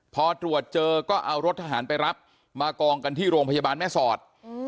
พอตรวจเจอก็เอารถทหารไปรับมากองกันที่โรงพยาบาลแม่สอด